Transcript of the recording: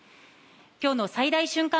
今日の最大瞬間